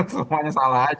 semuanya salah saja